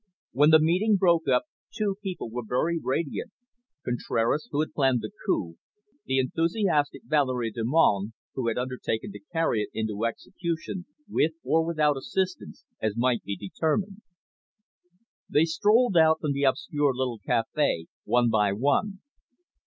When the meeting broke up two people were very radiant, Contraras, who had planned the coup, the enthusiastic Valerie Delmonte, who had undertaken to carry it into execution, with or without assistance, as might be determined. They strolled out from the obscure little cafe one by one.